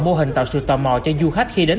mô hình tạo sự tò mò cho du khách khi đến